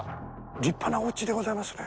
立派なお家でございますね。